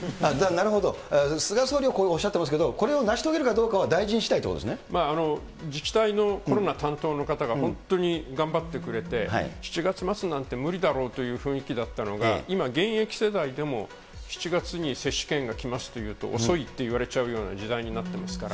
なるほど、菅総理はこうおっしゃってますけど、これを成し遂げるかどうかは大臣しだいということ自治体のコロナ担当の方が本当に頑張ってくれて、７月末なんて無理だろうという雰囲気だったのが、今、現役世代でも７月に接種券が来ますというと遅いって言われちゃうような時代になってますから。